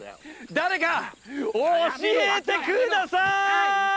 誰か教えて下さい！